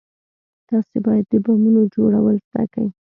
تاسې بايد د بمونو جوړول زده كئ.